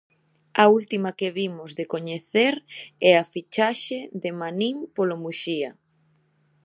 A última que vimos de coñecer, é a fichaxe de Manín polo Muxía.